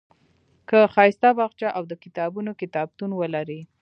که ښایسته باغچه او د کتابونو کتابتون ولرئ.